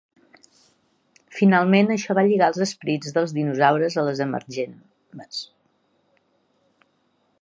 Finalment això va lligar els esperits dels dinosaures a les energemes.